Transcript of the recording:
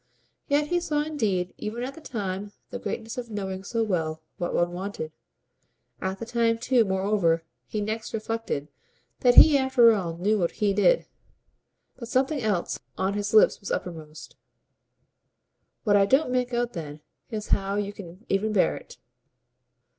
Yet he saw indeed even at the time the greatness of knowing so well what one wanted. At the time too, moreover, he next reflected that he after all knew what HE did. But something else on his lips was uppermost. "What I don't make out then is how you can even bear it."